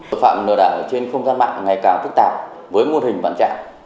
tội phạm lừa đảo trên không gian mạng ngày càng phức tạp với nguồn hình bản trạng